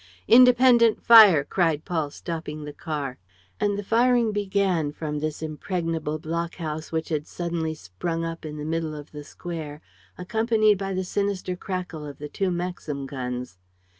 "Independent fire!" cried Paul, stopping the car. And the firing began from this impregnable blockhouse, which had suddenly sprung up in the center of the square, accompanied by the sinister crackle of the two Maxim guns.